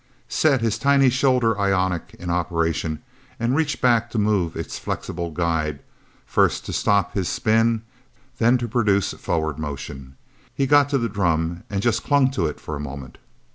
set his tiny shoulder ionic in operation, and reached back to move its flexible guide, first to stop his spin, then to produce forward motion. He got to the drum, and just clung to it for a moment.